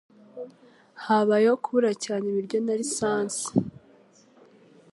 Habayeho kubura cyane ibiryo na lisansi.